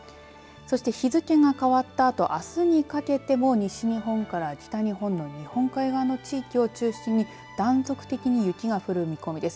そして日付が変わったあとあすにかけても西日本から北日本の日本海側の地域を中心に断続的に雪が降る見込みです。